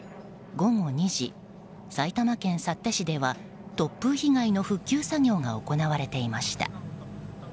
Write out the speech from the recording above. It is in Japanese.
午後２時、埼玉県幸手市では突風被害の復旧作業が行われていました。